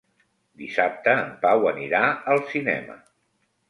Dissabte en Pau anirà al cinema.